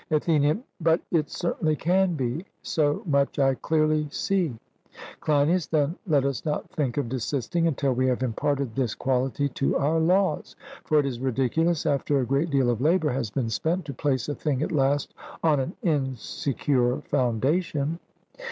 ATHENIAN: But it certainly can be; so much I clearly see. CLEINIAS: Then let us not think of desisting until we have imparted this quality to our laws; for it is ridiculous, after a great deal of labour has been spent, to place a thing at last on an insecure foundation.